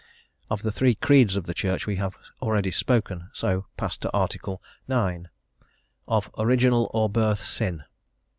Of the three Creeds of the Church we have already spoken, so pass to Article IX., "of Original or Birth sin."